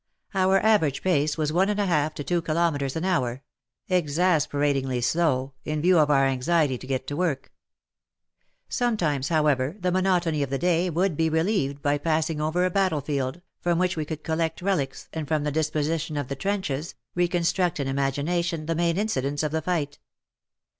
Our average pace was one and a half to two kilometres an hour — exasperatingly slow, in view of our anxiety to get to work. Sometimes, however, the monotony of the day would be relieved by passing over a battlefield, from which we could collect relics, and from the disposition of the trenches, re construct in imagination the main incidents of the fight.